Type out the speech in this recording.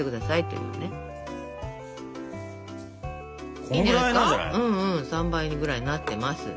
うんうん３倍ぐらいになってます。